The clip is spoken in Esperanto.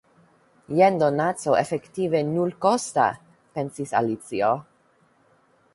"Jen donaco efektive nulkosta!" pensis Alicio.